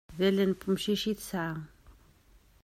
D allen n wemcic i tesɛa.